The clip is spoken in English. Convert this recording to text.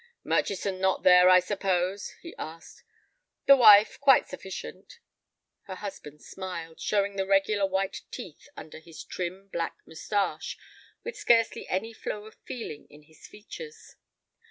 "Murchison not there, I suppose?" he asked. "The wife—quite sufficient." Her husband smiled, showing the regular white teeth under his trim, black mustache with scarcely any flow of feeling in his features.